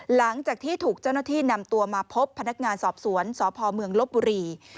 หลังจากที่ถูกเจ้าหน้าที่นำตัวมาพบพนักงานสอบสวนสพเมืองลบบุรี